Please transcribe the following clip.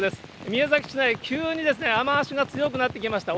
宮崎市内、急に雨足が強くなってきました。